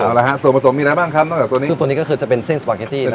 เอาละฮะส่วนผสมมีอะไรบ้างครับนอกจากตัวนี้ซึ่งตัวนี้ก็คือจะเป็นเส้นสปาเกตตี้